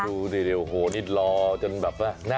ดูเร็วโหนิดรอจนแบบว่านะ